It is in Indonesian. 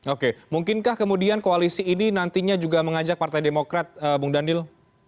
oke mungkinkah kemudian koalisi ini nantinya juga mengajak partai demokrat bung daniel